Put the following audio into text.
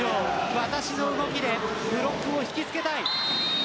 私の動きでブロックを引きつけたい